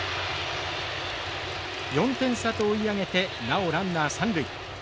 ４点差と追い上げてなおランナー三塁。